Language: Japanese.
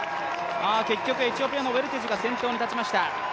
結局エチオピアのウェルテジがトップに立ちました。